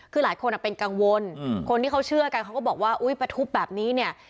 คือหลายคนเป็นกังวลคนที่เขาเชื่อกันเขาก็บอกว่าอุ๊ยประทุบแบบนี้เนี่ย